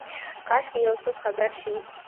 کاشکي یوڅوک خبر شي،